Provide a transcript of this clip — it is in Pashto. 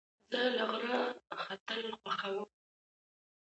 زه له غره ختل خوښوم.